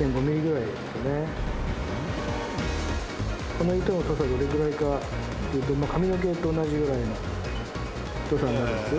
この糸の太さどれくらいかっていうと髪の毛と同じぐらいの太さになるんです。